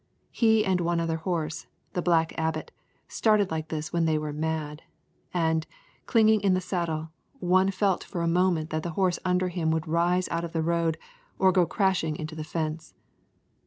He and one other horse, the Black Abbot, started like this when they were mad. And, clinging in the saddle, one felt for a moment that the horse under him would rise out of the road or go crashing into the fence.